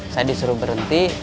saya disuruh berhenti